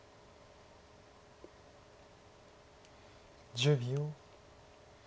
１０秒。